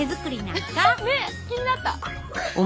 ねっ気になった。